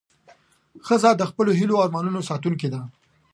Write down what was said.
ښځه د خپلو هیلو او ارمانونو ساتونکې ده.